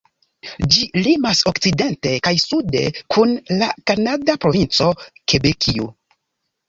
Ĝi limas okcidente kaj sude kun la kanada provinco Kebekio.